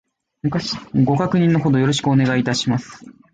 ご確認の程よろしくお願いいたします